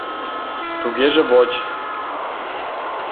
— Тугеже воч.